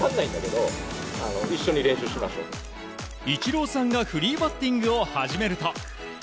イチローさんがフリーバッティングを始めると。